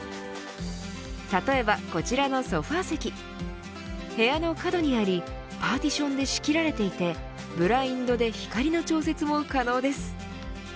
例えば、こちらのソファー席部屋の角にありパーティションで仕切られていてブラインドで光の調節も可能です。